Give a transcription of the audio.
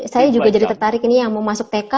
saya juga jadi tertarik ini yang mau masuk tk